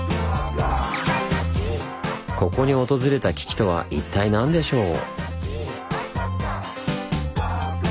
ここに訪れた危機とは一体何でしょう？